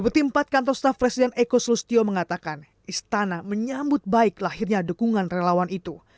peti empat kantor staf presiden eko sustio mengatakan istana menyambut baik lahirnya dukungan relawan itu